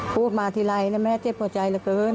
พูดมาทีไรนะแม่เจ็บหัวใจเหลือเกิน